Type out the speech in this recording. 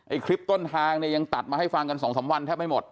คลิปต้นทางเนี่ยยังตัดมาให้ฟังกันสองสามวันแทบไม่หมด